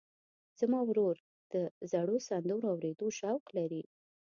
زما ورور د زړو سندرو اورېدو شوق لري.